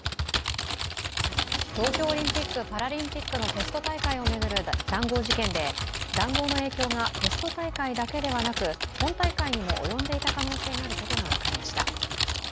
東京オリンピック・パラリンピックのテスト大会を巡る談合事件で談合の影響がテスト大会だけではなく本大会にも及んでいた可能性があることが分かりました。